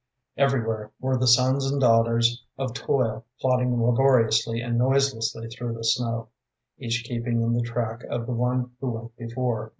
Everywhere were the sons and daughters of toil plodding laboriously and noiselessly through the snow, each keeping in the track of the one who went before.